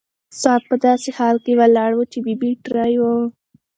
ساعت په داسې حال کې ولاړ و چې بې بيټرۍ و.